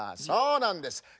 そうなんです。